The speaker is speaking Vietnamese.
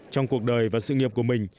trong cuộc đời và sự nghiệp của mình